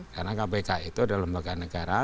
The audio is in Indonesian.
karena kpk itu adalah lembaga negara